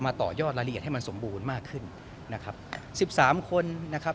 ต่อยอดรายละเอียดให้มันสมบูรณ์มากขึ้นนะครับสิบสามคนนะครับ